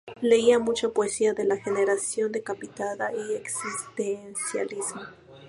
Leía mucha poesía de La Generación Decapitada y Existencialismo.